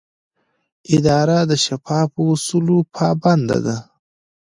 اداره د شفافو اصولو پابنده ده.